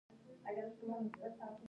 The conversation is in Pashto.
يو ته له بل نه شکايت پيدا کېږي.